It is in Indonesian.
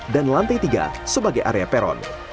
dan lantai tiga sebagai area peron